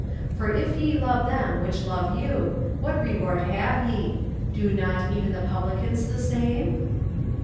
For if ye love them which love you, what reward have ye? Do not even the publicans the same